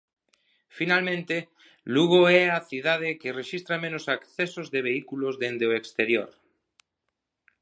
Finalmente, Lugo é a cidade que rexistra menos accesos de vehículos dende o exterior.